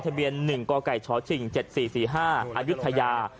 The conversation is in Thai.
ทะเบียนหนึ่งกไก่ชชิ่งเจ็ดสี่สี่ห้าอายุธยา